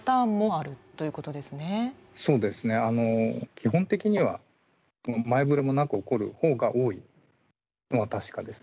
基本的には前ぶれもなく起こる方が多いのは確かです。